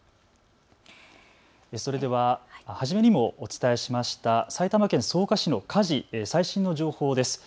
それでは初めにもお伝えしました埼玉県草加市の火事、最新の情報です。